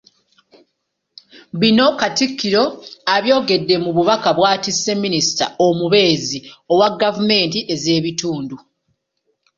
Bino Katikkiro abyogeredde mu bubaka bw’atisse minisita omubeezi owa gavumenti ez’ebitundu.